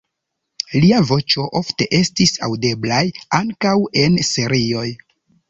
Lia voĉo ofte estis aŭdeblaj ankaŭ en serioj.